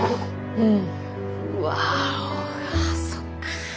うん。